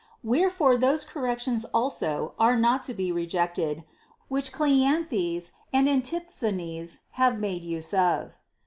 Wherefore those corrections also are not to be rejected which Cleanthes and Antisthenes have made use of.